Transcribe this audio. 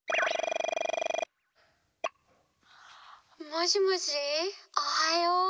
もしもしおはよう。